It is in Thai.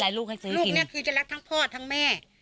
แต่ลูกนี้คือจะรักทั้งพ่อทั้งแม่